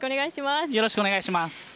よろしくお願いします。